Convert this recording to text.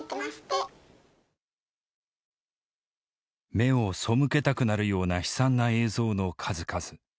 目を背けたくなるような悲惨な映像の数々。